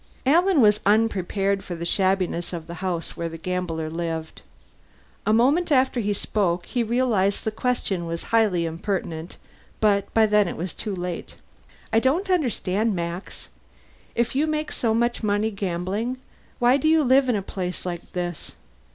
Alan was unprepared for the shabbiness of the house where the gambler lived. A moment after he spoke, he realized the question was highly impertinent, but by then it was too late: "I don't understand, Max. If you make so much money gambling, why do you live in a place like this?